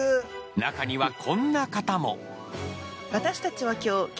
中にはこんな方も。